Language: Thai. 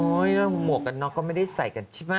โอ้โฮแล้วหมวกกันนอกก็ไม่ได้ใส่กันใช่ไหม